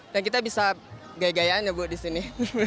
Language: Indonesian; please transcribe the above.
dan kita bisa gaya gayaan ya bu di sini